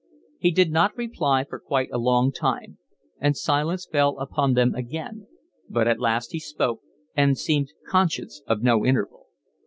He did not reply for quite a long time, and silence fell upon them again; but at last he spoke and seemed conscious of no interval.